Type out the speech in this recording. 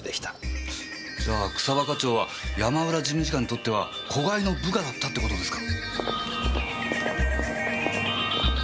じゃ草葉課長は山浦事務次官にとっては子飼いの部下だったって事ですか？